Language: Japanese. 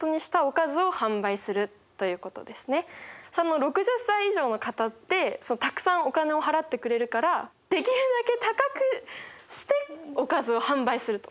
６０歳以上の方ってたくさんお金を払ってくれるからできるだけ高くしておかずを販売すると。